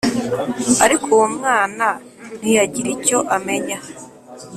Ariko uwo mwana ntiyagira icyo amenya